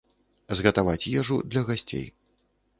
Згатаваць ежу для гасцей.